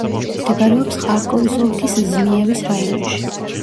მდებარეობს ხარკოვის ოლქის ზმიევის რაიონში.